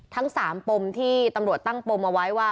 ทั้ง๓ปมที่ตำรวจตั้งปมเอาไว้ว่า